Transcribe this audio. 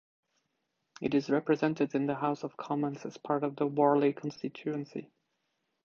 It is represented in the House of Commons as part of the Warley constituency.